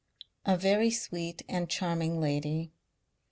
A very sweet and charming lady.